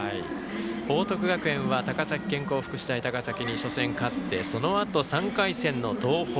報徳学園は高崎健康福祉大高崎に初戦勝ってそのあと３回戦の東邦。